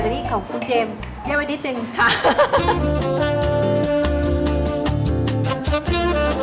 ดูน้ำนิดนึงค่ะ